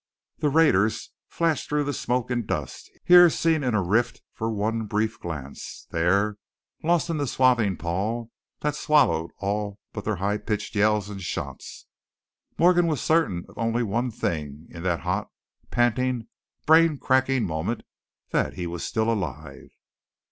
The raiders flashed through the smoke and dust, here seen in a rift for one brief glance, there lost in the swathing pall that swallowed all but their high pitched yells and shots. Morgan was certain of only one thing in that hot, panting, brain cracking moment that he was still alive.